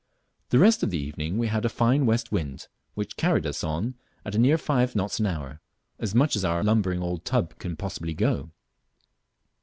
The rest of the evening we had a fine west wind, which carried us on at near five knots an hour, as much as our lumbering old tub can possibly go.